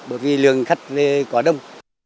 bởi vì lượng khách có đông